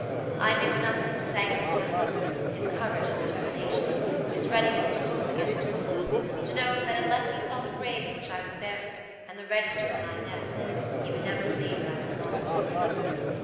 "I knew enough of his sanguine temperament, his courage and determination, his readiness to hope against hope, to know that unless he saw the grave in which I was buried, and the register of my death, he would never believe that I was lost to him.